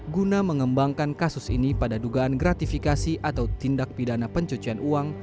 guna mengembangkan kasus ini pada dugaan gratifikasi atau tindak pidana pencucian uang